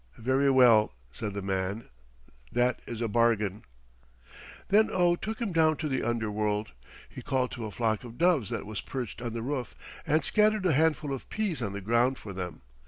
"Very well," said the man, "that is a bargain." Then Oh took him down to the underworld. He called to a flock of doves that was perched on the roof and scattered a handful of peas on the ground for them.